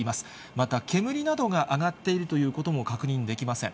また煙などが上がっているということも確認できません。